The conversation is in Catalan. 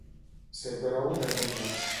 Ser brou de llengües.